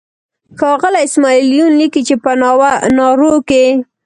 ښاغلی اسماعیل یون لیکي چې په نارو کې.